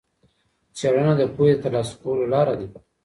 څېړنه د پوهي د ترلاسه کولو لاره ده.